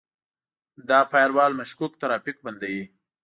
دا فایروال مشکوک ترافیک بندوي.